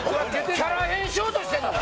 キャラ変しようとしてんのか？